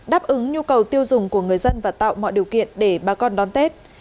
đáp ứng nhu cầu tiêu dùng của người dân và tạo mọi điều kiện để bà con đón tết